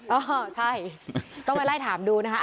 เออใช่ต้องไปไล่ถามดูนะคะ